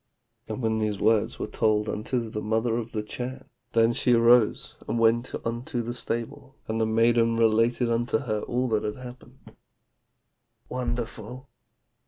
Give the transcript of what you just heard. "' "When these words were told unto the mother of the Chan, then she arose and went unto the stable, and the maiden related unto her all that had happened, 'Wonderful!'